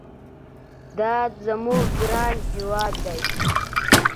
دا زموږ ګران هېواد دي.